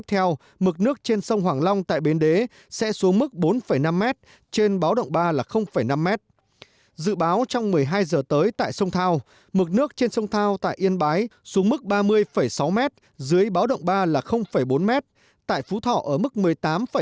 hạ lưu sông hồng tại bến đế đang lên chậm trên sông thao tại yên bái và phú thọ đang duy trì ở mức đỉnh